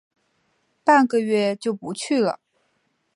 半个月就不去了